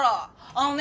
あのね